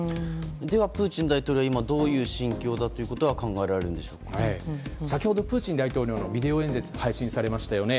ではプーチン大統領今どういう心境だということが先ほどプーチン大統領のビデオ演説が配信されましたよね。